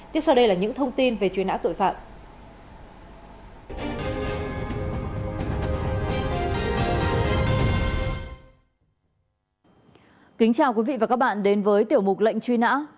kính chào quý vị và các bạn đến với tiểu mục lệnh truy nã